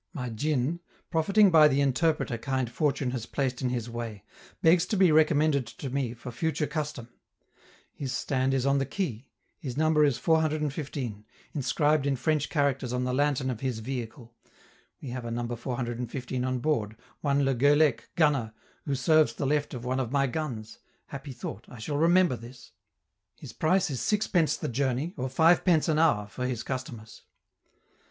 My djin, profiting by the interpreter kind fortune has placed in his way, begs to be recommended to me for future custom; his stand is on the quay; his number is 415, inscribed in French characters on the lantern of his vehicle (we have a number 415 on board, one Le Goelec, gunner, who serves the left of one of my guns; happy thought! I shall remember this); his price is sixpence the journey, or five pence an hour, for his customers.